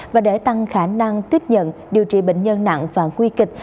và để tăng khả năng tiếp nhận điều trị bệnh nhân nặng và nguy kịch